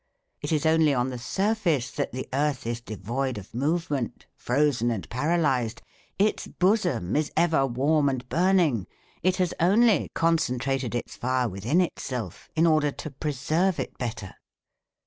It is only on the surface that the earth is devoid of movement, frozen and paralysed. Its bosom is ever warm and burning. It has only concentrated its fire within itself in order to preserve it better.